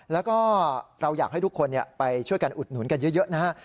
แล้วก็เราอยากให้ทุกคนไปช่วยกันอุดหนุนกันเยอะนะฮะ